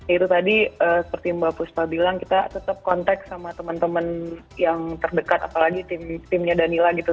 itu tadi seperti mbak puspa bilang kita tetap kontak sama teman teman yang terdekat apalagi timnya danila gitu